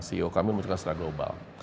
ceo kami menunjukkan secara global